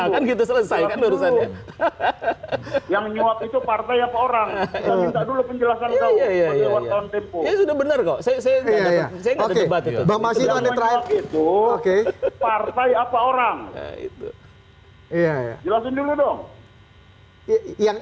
kan gitu selesai kan urusannya